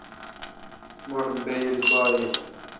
مٹھ بایل پا این۔